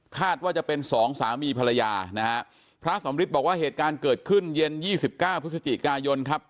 ว่าจะเป็นสองสามีภรรยานะฮะพระสำริทบอกว่าเหตุการณ์เกิดขึ้นเย็นยี่สิบเก้าพฤศจิกายนครับ